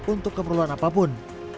untuk keperluan apapun